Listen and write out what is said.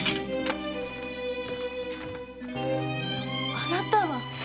あなたは！